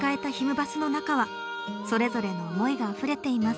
バスの中はそれぞれの思いがあふれています。